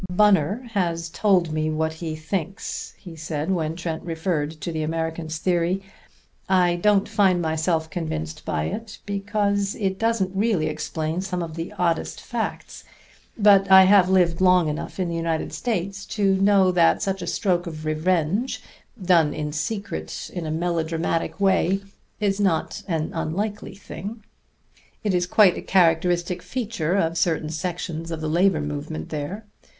"Bunner has told me what he thinks," he said when Trent referred to the American's theory. "I don't find myself convinced by it, because it doesn't really explain some of the oddest facts. But I have lived long enough in the United States to know that such a stroke of revenge, done in a secret, melodramatic way, is not an unlikely thing. It is quite a characteristic feature of certain sections of the labor movement there.